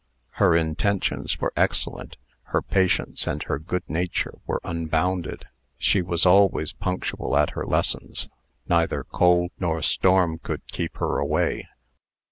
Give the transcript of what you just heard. Her intentions were excellent. Her patience and her good nature were unbounded. She was always punctual at her lessons. Neither cold nor storm could keep her away.